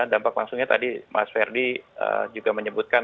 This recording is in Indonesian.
dampak langsungnya tadi mas ferdi juga menyebutkan